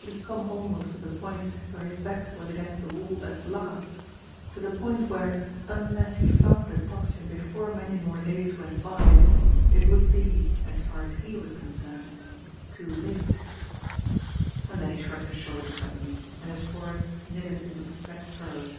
It had come almost to the point where his back was against the wall at last; to the point where, unless he found the Tocsin before many more days went by, it would be, as far as he was concerned too late! And then he shrugged his shoulders suddenly and his forehead knitted into perplexed furrows.